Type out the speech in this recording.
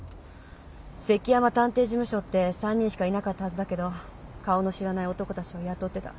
関山探偵事務所って３人しかいなかったはずだけど顔の知らない男たちを雇ってた。